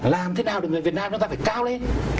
làm thế nào để người việt nam chúng ta phải cao lên